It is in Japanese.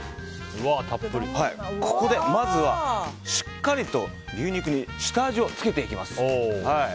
ここでまずは、しっかりと牛肉に下味をつけていきます。